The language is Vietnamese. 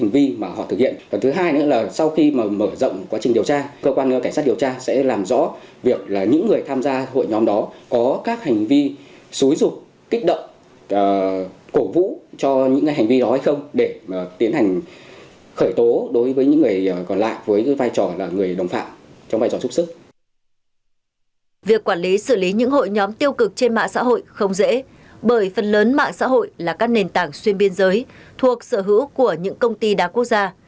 việc quản lý xử lý những hội nhóm tiêu cực trên mạng xã hội không dễ bởi phần lớn mạng xã hội là các nền tảng xuyên biên giới thuộc sở hữu của những công ty đa quốc gia